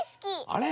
あれ？